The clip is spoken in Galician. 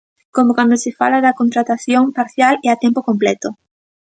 Como cando se fala da contratación parcial e a tempo completo.